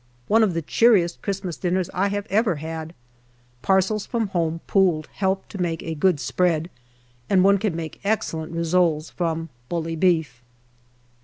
One of the cheeriest Christmas dinners I have ever had. Parcels from home pooled helped to make a good spread, and one can make excellent rissoles from bully beef.